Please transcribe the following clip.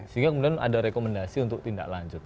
sehingga kemudian ada rekomendasi untuk tindak lanjut